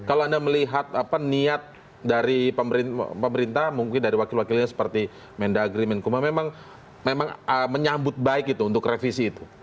kalau anda melihat niat dari pemerintah mungkin dari wakil wakilnya seperti mendagri menkuma memang menyambut baik itu untuk revisi itu